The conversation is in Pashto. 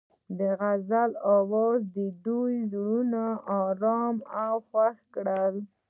د غزل اواز د دوی زړونه ارامه او خوښ کړل.